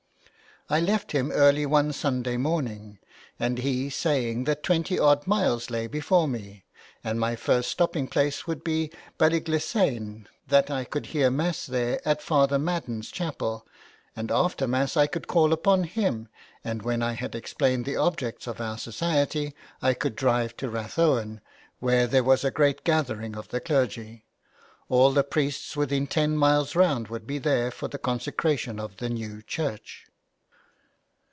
I left him early one Sunday morning, and he saying that twenty odd miles lay before me, and my first stopping place would be Ballygliesane, that I could hear Mass there at Father Madden's chapel, and after Mass I could call upon him, and that when I had explained the objects of our Society I could drive to Rathowen, where there was a great gathering of the clergy. All the priests within ten miles round would be there for the consecration of the new church.